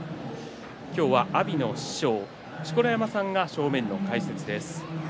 今日は阿炎の師匠、錣山さんが正面の解説です。